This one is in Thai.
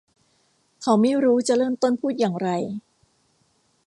เขาไม่รู้จะเริ่มต้นพูดอย่างไร